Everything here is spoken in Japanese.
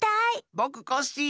ぼくコッシー。